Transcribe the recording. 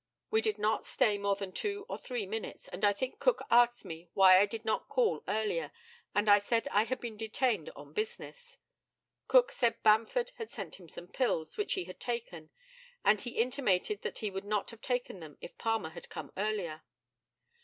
We did not stay more than two or three minutes, and I think Cook asked me why I did not call earlier. I said I had been detained on business. Cook said Bamford had sent him some pills, which he had taken; and he intimated that he would not have taken them if Palmer had come earlier.